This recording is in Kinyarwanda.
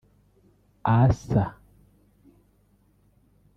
Asa